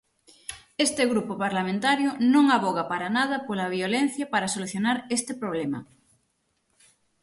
Este grupo parlamentario non avoga para nada pola violencia para solucionar este problema.